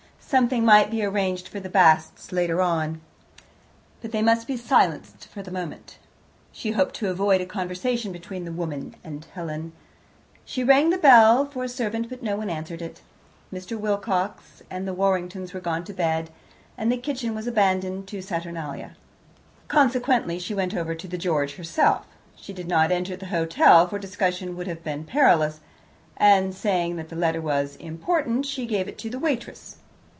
Something might be arranged for the Basts later on, but they must be silenced for the moment. She hoped to avoid a conversation between the woman and Helen. She rang the bell for a servant, but no one answered it; Mr. Wilcox and the Warringtons were gone to bed, and the kitchen was abandoned to Saturnalia. Consequently she went over to the George herself. She did not enter the hotel, for discussion would have been perilous, and, saying that the letter was important, she gave it to the waitress.